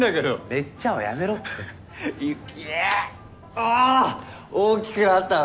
あ大きくなったな。